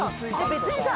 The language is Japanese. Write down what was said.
別にさ。